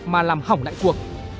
mà làm hỏng đại cuộc